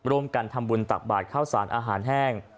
ร่วมกันทำบุญตักบาทข้าวสารอาหารแห้ง